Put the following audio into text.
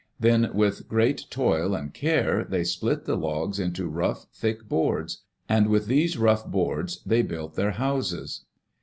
Then, with great toil and care, they split the logs into rough, thick boards. And with these rough boards they built their houses.